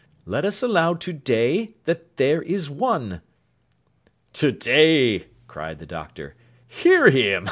Let us allow to day, that there is One.' 'To day!' cried the Doctor. 'Hear him!